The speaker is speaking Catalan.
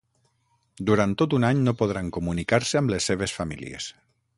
Durant tot un any no podran comunicar-se amb les seves famílies